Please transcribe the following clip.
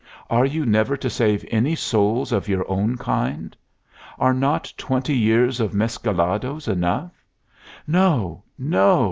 Are you never to save any souls of your own kind? Are not twenty years of mesclados enough? No, no!"